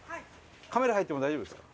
カメラ入っても大丈夫ですか？